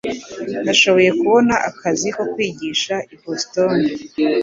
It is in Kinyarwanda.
Nashoboye kubona akazi ko kwigisha i Boston